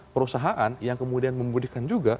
perusahaan yang kemudian membudikan juga